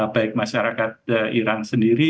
baik masyarakat iran sendiri